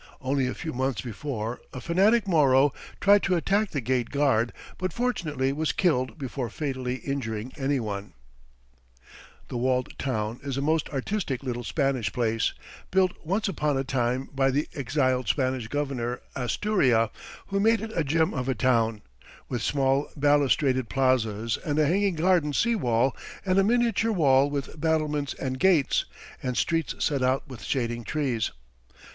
Only a few months before, a fanatic Moro tried to attack the gate guard, but fortunately was killed before fatally injuring any one. [Illustration: MORO BOATS.] The walled town is a most artistic little Spanish place, built once upon a time by the exiled Spanish Governor Asturia, who made it a gem of a town, with small balustraded plazas and a hanging garden sea wall, and a miniature wall with battlements and gates, and streets set out with shading trees.